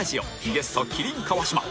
ゲスト麒麟川島